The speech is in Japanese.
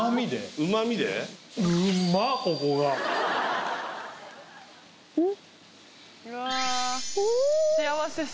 うん。